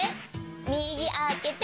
みぎあけて。